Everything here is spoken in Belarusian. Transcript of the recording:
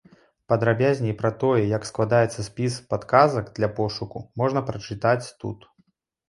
Падрабязней пра тое, як складаецца спіс падказак для пошуку, можна прачытаць тут.